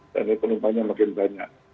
dan penumpangnya makin banyak